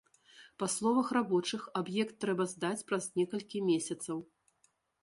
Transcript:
Па словах рабочых, аб'ект трэба здаць праз некалькі месяцаў.